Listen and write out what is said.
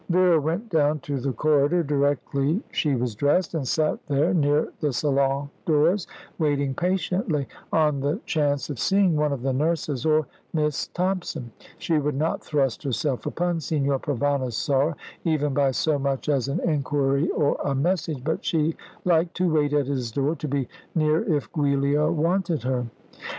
Vera went down to the corridor, directly she was dressed, and sat there, near the salon doors, waiting patiently, on the chance of seeing one of the nurses, or Miss Thompson. She would not thrust herself upon Signor Provana's sorrow even by so much as an inquiry or a message; but she liked to wait at his door to be near if Giulia wanted her.